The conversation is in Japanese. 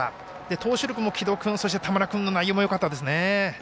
投手力も、城戸君、そして田村君の内容もよかったですね。